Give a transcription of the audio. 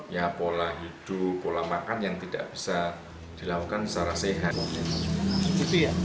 ya pola hidup pola makan yang tidak bisa dilakukan secara sehat